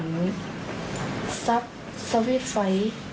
เหมือนซับสวิตช์ไฟ